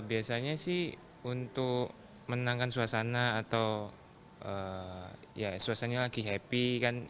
biasanya sih untuk menangkan suasana atau ya suasananya lagi happy kan